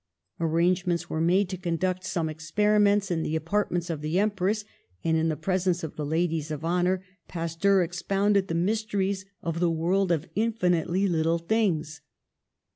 Arrangements were made to conduct some ex periments in the apartments of the empress, and in the presence of the ladies of honour Pas teur expounded the mysteries of the world of infinitely little things.